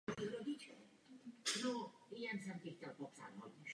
Ta by byla vývojem Evropské unie zděšena.